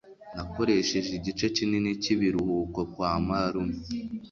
nakoresheje igice kinini cyibiruhuko kwa marume